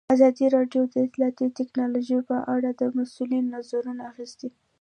ازادي راډیو د اطلاعاتی تکنالوژي په اړه د مسؤلینو نظرونه اخیستي.